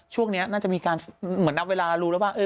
ช่วงนี้น่าจะมีการเหมือนนับเวลารู้แล้วว่า